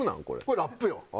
これラップよ。